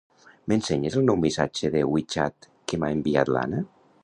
M'ensenyes el nou missatge de WeChat que m'ha enviat l'Anna?